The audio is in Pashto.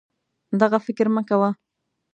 دغه فکر مه کوه